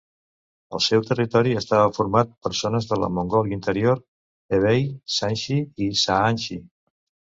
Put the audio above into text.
El seu territori estava format per zones de la Mongòlia Interior, Hebei, Shanxi i Shaanxi.